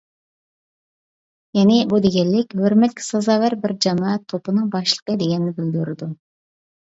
يەنى بۇ دېگەنلىك ھۆرمەتكە سازاۋەر بىر جامائەت توپىنىڭ باشلىقى دېگەننى بىلدۈرىدۇ.